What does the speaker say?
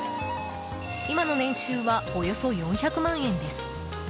今の年収はおよそ４００万円です。